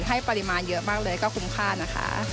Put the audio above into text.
ให้ปริมาณเยอะมากเลยก็คุ้มค่านะคะ